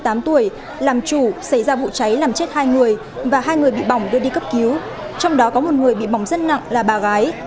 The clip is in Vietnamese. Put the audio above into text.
trong tám tuổi làm chủ xảy ra vụ cháy làm chết hai người và hai người bị bỏng đưa đi cấp cứu trong đó có một người bị bỏng rất nặng là bà gái